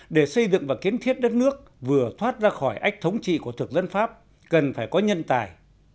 để xây dựng và kiến thiết đất nước vừa thoát ra khỏi ách thống trị của thực dân pháp cần phải có nhân tài